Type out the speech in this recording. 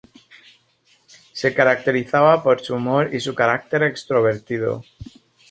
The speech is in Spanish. Se caracterizaba por su humor y su carácter extrovertido.